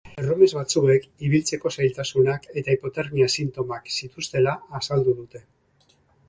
Erromes batzuek ibiltzeko zailtasunak eta hipotermia sintomak zituztela azaldu dute.